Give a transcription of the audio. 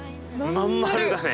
真ん丸だね